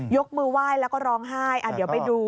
ยกมือไหว้แล้วก็ร้องไห้เดี๋ยวไปดู